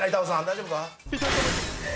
大丈夫か？